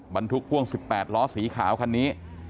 บรรทุกพ่วง๑๘ล้อสีขาวคันนี้